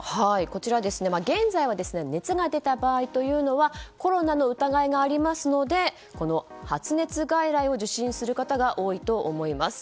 こちら、現在は熱が出た場合というのはコロナの疑いがありますので発熱外来を受診する方が多いと思います。